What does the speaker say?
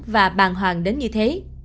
và bàn hoàng đến như thế